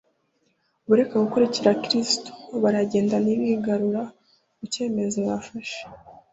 Bareka gukurikira Kristo, baragenda ntibigarura ku cyemezo bafashe.